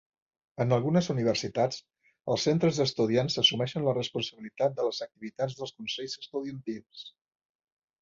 En algunes universitats, els centres d'estudiants assumeixen la responsabilitat de les activitats dels consells estudiantils.